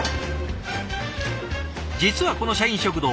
実はこの社員食堂